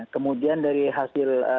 kemudian dari hasil